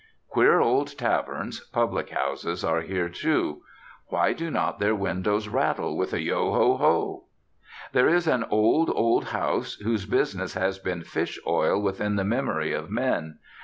Queer old taverns, public houses, are here, too. Why do not their windows rattle with a "Yo, ho, ho"? There is an old, old house whose business has been fish oil within the memory of men.